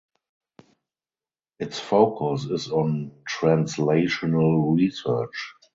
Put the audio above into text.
Its focus is on translational research.